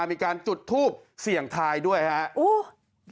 มีการจุดทูปเซียงทายด้วยด้วย